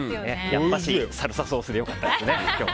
やっぱしサルサソースが良かったですね。